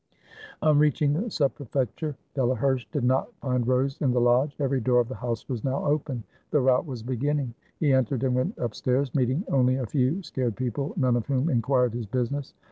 On reaching the Sub Prefecture, Delaherche did not find Rose in the lodge. Every door of the house was now open; the rout was beginning. He entered and went upstairs, meeting only a few scared people, none of whom inquired his business.